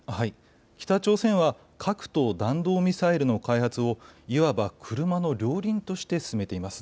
北朝鮮は核と弾道ミサイルの開発をいわば車の両輪として進めています。